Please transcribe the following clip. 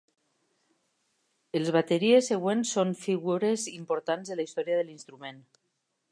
Els bateries següents són figures importants de la història de l'instrument.